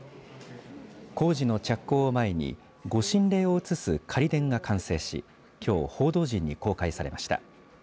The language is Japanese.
工事の着工を前に御神霊を移す仮殿が完成しきょう報道陣に公開されました。